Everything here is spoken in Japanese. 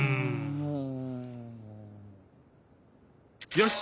よし！